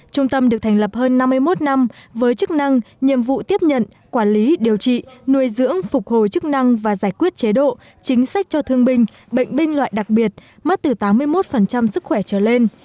trung tâm được thành lập hơn năm mươi một năm với chức năng nhiệm vụ tiếp nhận quản lý điều trị nuôi dưỡng phục hồi chức năng và giải quyết chế độ chính sách cho thương binh bệnh binh loại đặc biệt mất từ tám mươi một sức khỏe trở lên